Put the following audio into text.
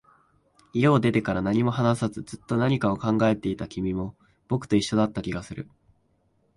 家を出てから、何も話さず、ずっと何かを考えていた君も、僕と一緒だった気がする